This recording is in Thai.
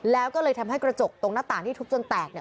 แล้วก็เลยทำให้กระจกตรงหน้าต่างที่ทุบจนแตกเนี่ย